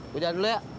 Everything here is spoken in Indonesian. gue jalan dulu ya